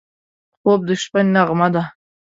خوب د شپه نغمه ده